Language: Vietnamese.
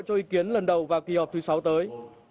cho ý kiến lần đầu vào kỳ họp thứ sáu tới